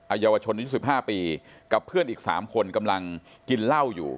ไอ้เยาวชน๒๕ปีกับเพื่อนอีกสามคนกำลังกินเหล้าอยู่